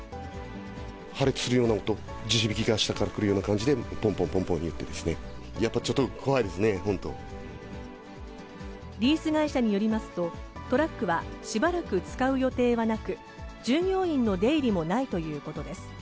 破裂するような音、地響きが下から来るような感じで、ぽんぽんぽんぽんいってですね、やっぱちょっと怖いですね、リース会社によりますと、トラックはしばらく使う予定はなく、従業員の出入りもないということです。